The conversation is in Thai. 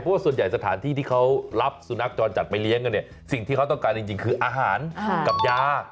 เพราะว่าส่วนใหญ่สถานที่ที่เขารับสุนัขจรจัดไปเลี้ยงกันเนี่ยสิ่งที่เขาต้องการจริงคืออาหารกับยา